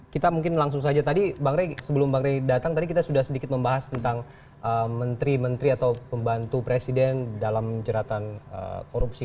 kita mungkin langsung saja tadi bang rey sebelum bang rey datang tadi kita sudah sedikit membahas tentang menteri menteri atau pembantu presiden dalam jeratan korupsi